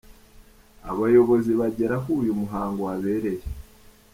Abayobozi bagera aho uyu muhango wabereye.